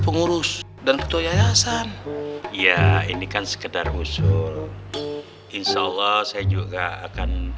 pengurus dan ketua yayasan ya ini kan sekedar usul insya allah saya juga akan